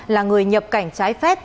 là người nhập cảnh trái phép